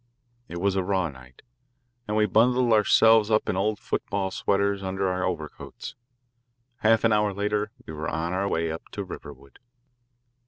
It was a raw night, and we bundled ourselves up in old football sweaters under our overcoats. Half an hour later we were on our way up to Riverwood.